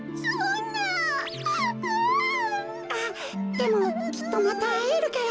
でもきっとまたあえるから。